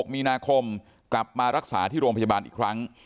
มีนาคมกลับมารักษาที่โรงพยาบาลอีกครั้ง